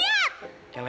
ini kalian apa